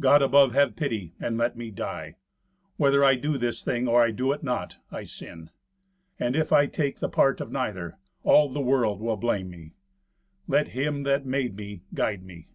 God above have pity, and let me die! Whether I do this thing, or do it not, I sin. And if I take the part of neither, all the world will blame me. Let Him that made me guide me."